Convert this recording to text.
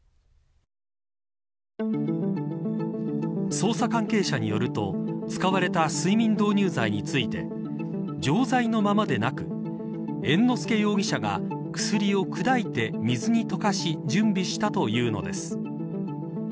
捜査関係者によると使われた睡眠導入剤について錠剤のままでなく猿之助容疑者が薬を砕いて水に溶かし準備したというのです。